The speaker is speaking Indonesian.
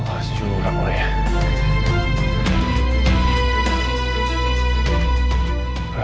allah sejurang uya